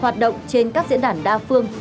hoạt động trên các diễn đản đa phương